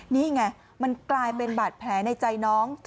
นี่ไงมันกลายเป็นบาดแผลในใจน้อง